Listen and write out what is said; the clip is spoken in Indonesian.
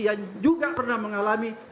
yang juga pernah mengalami